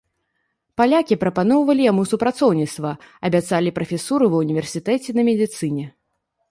Палякі прапаноўвалі яму супрацоўніцтва, абяцалі прафесуру ва універсітэце на медыцыне.